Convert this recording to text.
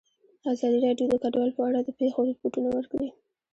ازادي راډیو د کډوال په اړه د پېښو رپوټونه ورکړي.